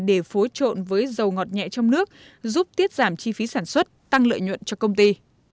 để phối trộn với dầu ngọt nhẹ trong nước giúp tiết giảm chi phí sản xuất tăng lợi nhuận cho công ty